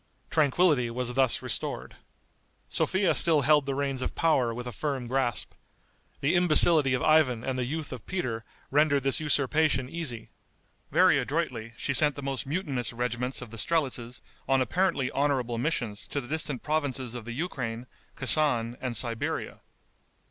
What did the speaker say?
Tranquillity was thus restored. Sophia still held the reins of power with a firm grasp. The imbecility of Ivan and the youth of Peter rendered this usurpation easy. Very adroitly she sent the most mutinous regiments of the strelitzes on apparently honorable missions to the distant provinces of the Ukraine, Kesan, and Siberia.